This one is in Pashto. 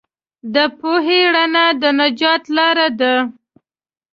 د پوهې رڼا د نجات لار ده.